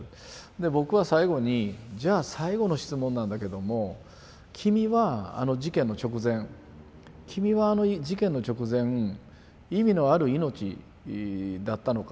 で僕は最後にじゃあ最後の質問なんだけども君はあの事件の直前君はあの事件の直前意味のある命だったのか？